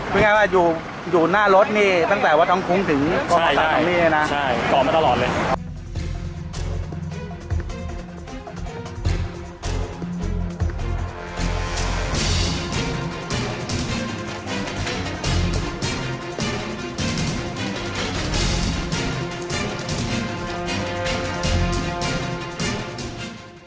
เป็นไงว่าอยู่อยู่หน้ารถนี่ตั้งแต่ว่าท้องคุ้งถึงใช่ใช่ก่อมาตลอดเลย